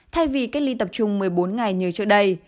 thay vì cách ly tập trung một mươi bốn ngày như trước đây